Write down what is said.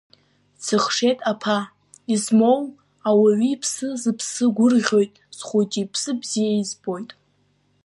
Дсыхшеит аԥа, измоу ауаҩы иԥсы, сыԥсы гәырӷьоит, схәыҷы иԥсы бзиа избоит.